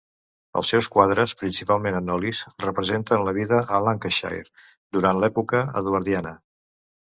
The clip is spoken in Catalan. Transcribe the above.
Els seus quadres, principalment en olis, representen la vida a Lancashire durant l'època eduardiana.